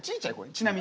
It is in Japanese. ちなみに。